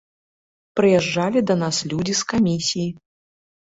Прыязджалі да нас людзі з камісіі.